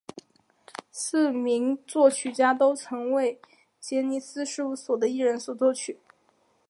四名作曲者都曾为杰尼斯事务所的艺人作曲。